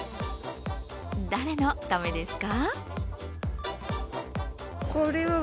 誰のためですか？